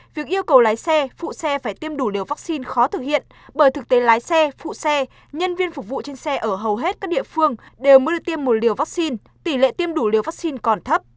việc yêu cầu lái xe phụ xe phải tiêm đủ liều vaccine khó thực hiện bởi thực tế lái xe phụ xe nhân viên phục vụ trên xe ở hầu hết các địa phương đều mới được tiêm một liều vaccine tỷ lệ tiêm đủ liều vaccine còn thấp